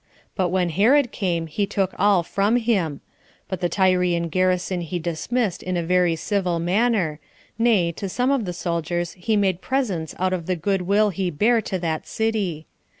But when Herod came, he took all from him; but the Tyrian garrison he dismissed in a very civil manner; nay, to some of the soldiers he made presents out of the good will he bare to that city.